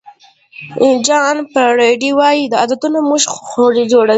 جان ډرایډن وایي عادتونه موږ جوړوي.